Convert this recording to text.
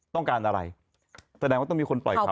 ต้องการอะไรแสดงว่าต้องมีคนปล่อยเขา